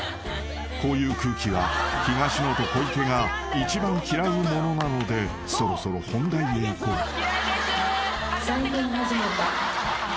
［こういう空気は東野と小池が一番嫌うものなのでそろそろ本題へいこう］